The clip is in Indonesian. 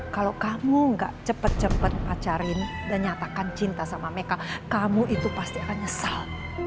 kalau kamu gak cepet cepet ajarin dan nyatakan cinta sama mereka kamu itu pasti akan nyesal